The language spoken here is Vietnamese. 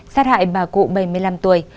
sát hại bà cụ bảy mươi năm tuổi